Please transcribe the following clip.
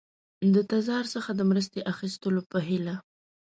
د تزار څخه د مرستې اخیستلو په هیله.